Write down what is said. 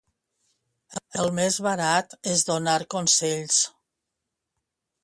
El més barat és donar consells.